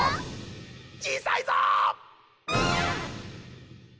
ちいさいぞー！